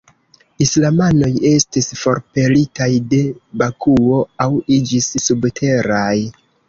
Islamanoj estis forpelitaj de Bakuo, aŭ iĝis subteraj.